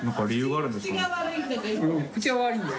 口は悪いんだよ